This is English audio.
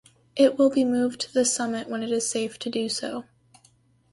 It will be moved to the summit when it is safe to do so.